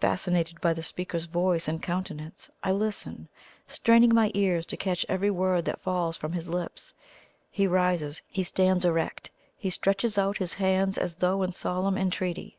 Fascinated by the speaker's voice and countenance, I listen, straining my ears to catch every word that falls from his lips. He rises; he stands erect; he stretches out his hands as though in solemn entreaty.